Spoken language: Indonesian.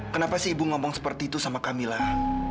kenapa sih ibu ngomong seperti itu sama kamilah